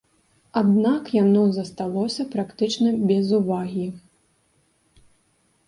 Аднак яно засталося практычна без увагі.